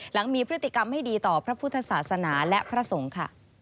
หลังมีพฤติกรรมไม่ดีต่อพระพุทธศาสนาและพระสงฆ์ค่ะ